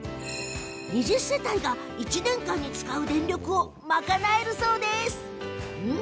２０世帯が１年間に使う電力を賄えるそうです。